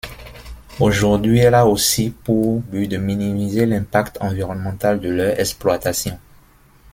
Aujourd'hui, elle a aussi pour but de minimiser l'impact environnemental de leur exploitation.